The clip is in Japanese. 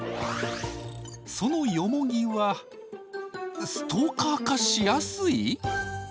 そのヨモギは「ストーカー化しやすい」？